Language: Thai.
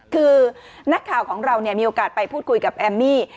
คือนักข่าวของเรามีโอกาสไปพูดคุยกับแอมมี่